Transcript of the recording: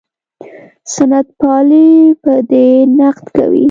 سنت پالي په دې نقد کوي.